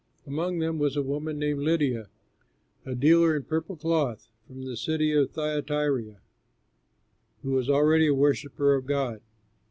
Among them was a woman named Lydia, a dealer in purple cloth from the city of Thyatira, who was already a worshipper of God.